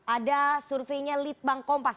ada surveinya litbang kompas